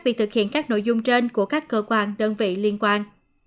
việc thực hiện các nội dung trên của các cơ quan đơn vị liên quan